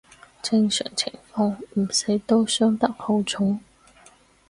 正常情況唔死都傷得好重